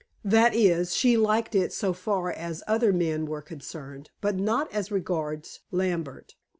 That is, she liked it so far as other men were concerned, but not as regards Lambert.